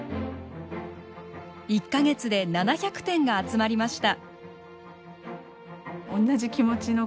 １か月で７００点が集まりました。